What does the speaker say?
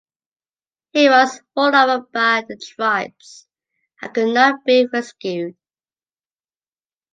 He was rolled over by the tribes and could not be rescued.